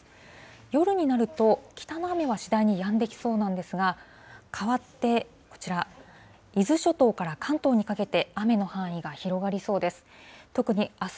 夜になると、北の雨は次第にやんできそうなんですが、かわってこちら、伊豆諸島から関東にかけて、雨の範囲が広がりそうです。